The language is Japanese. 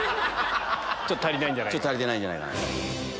ちょっと足りてないんじゃないかな。